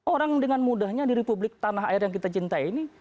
orang dengan mudahnya di republik tanah air yang kita cintai ini